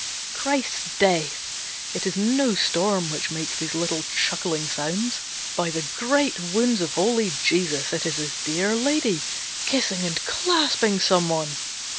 Christ's Death! It is no storm which makes these little chuckling sounds. By the Great Wounds of Holy Jesus, it is his dear lady, kissing and clasping someone!